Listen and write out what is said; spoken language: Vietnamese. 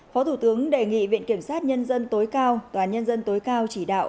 phó thủ tướng đề nghị viện kiểm sát nhân dân tối cao tòa nhân dân tối cao chỉ đạo